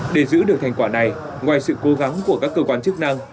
để giữ được thành quả này ngoài sự cố gắng của các cơ quan chức năng